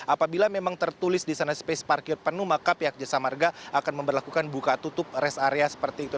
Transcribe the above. apabila memang tertulis di sana space parkir penuh maka pihak jasa marga akan memperlakukan buka tutup rest area seperti itu